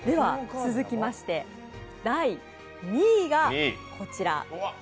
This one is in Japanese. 続いて第２位がこちら。